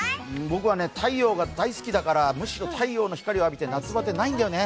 僕はね、太陽が大好きだからむしろ太陽の光を浴びて夏バテないんだよね。